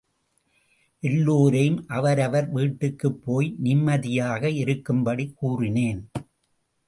எல்லோரையும் அவரவர் வீட்டுக்குப் போய் நிம்மதியாக இருக்கும்படி கூறினேன்.